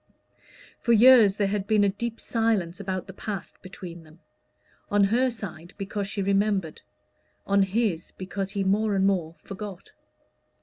For years there had been a deep silence about the past between them; on her side because she remembered; on his, because he more and more forgot.